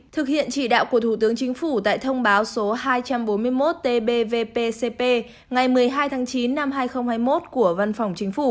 thực hiện chỉ đạo của thủ tướng chính phủ tại thông báo số hai trăm bốn mươi một tbpcp ngày một mươi hai tháng chín năm hai nghìn hai mươi một của văn phòng chính phủ